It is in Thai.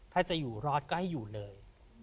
ถ้าจะอยู่รอดก็ให้อยู่เลย